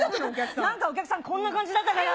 なんかお客さん、こんな感じだったから。